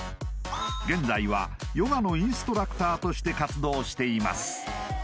現在はヨガのインストラクターとして活動しています